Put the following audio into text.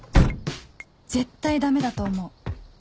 絶対ダメだと思う